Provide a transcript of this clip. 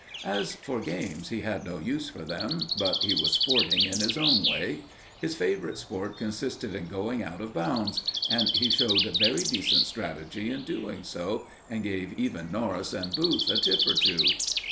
As for games, he had no use for them; but he was sporting in his own way. His favourite sport consisted in going out of bounds; and he showed very decent strategy in doing so, and gave even Norris and Booth a tip or two.